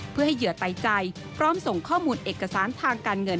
เพื่อให้เหยื่อไตใจพร้อมส่งข้อมูลเอกสารทางการเงิน